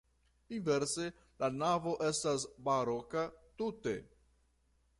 Inverse, la navo estas baroka tute.